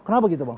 kenapa gitu bang